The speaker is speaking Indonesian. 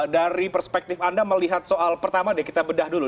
dari perspektif anda melihat soal pertama deh kita bedah dulu